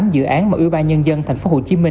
một trăm linh tám dự án mà ủy ban nhân dân tp hcm